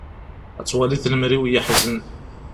Ad twalid lemri-w yeḥzen.